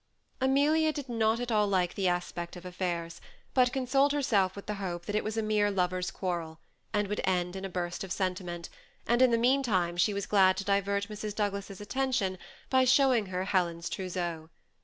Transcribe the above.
Amelia did not at all like the aspect of afiairs, but consoled herself with the hope that it was a mere lovers* quarrel, and would end in a burst of sentiment ; and in the mean time she was glad to divert Mrs. Douglas's attention by showing her Helen's trousseau.